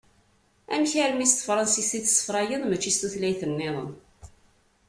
Amek armi s tefransist i tessefruyeḍ mačči s tutlayt-nniḍen?